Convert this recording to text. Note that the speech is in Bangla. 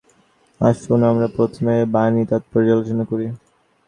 আসুন আমরা প্রথমেই এই বাণীর তাৎপর্য আলোচনা করি।